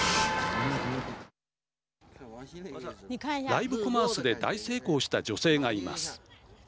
ライブコマースで大成功した女性がいます。